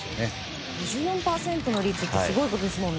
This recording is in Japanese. ５４％の率ってすごいことですもんね。